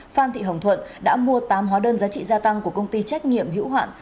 phan thị hồng thuận đã mua tám hóa đơn giá trị gia tăng của công ty trách nhiệm hữu hạn